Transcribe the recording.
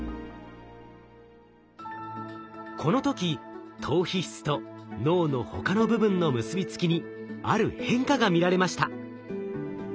この時島皮質と脳の他の部分の結びつきにある変化が見られました。